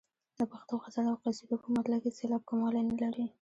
د پښتو غزل او قصیدو په مطلع کې سېلاب کموالی نه لري.